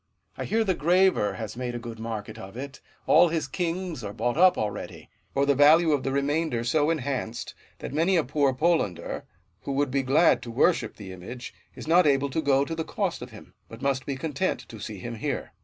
I hear the graver has made a good market of it : all his kings are bought up already ; or the value of the remainder so enhanced, that many a poor Polander, who would be glad to worship the image, is not able to go to the cost of him, but must be content to see him here.